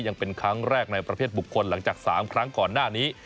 ยังเป็นครั้งแรกในประเภทบุคคลหลังจาก๓ครั้งก่อนหน้านี้